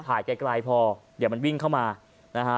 ถ่ายไกลพอเดี๋ยวมันวิ่งเข้ามานะฮะ